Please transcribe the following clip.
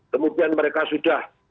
kemudian mereka sudah